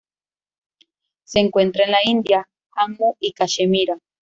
Se encuentra en la India: Jammu y Cachemira.